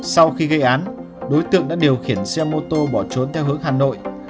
sau khi gây án đối tượng đã điều khiển xe mô tô bỏ trốn theo hướng hà nội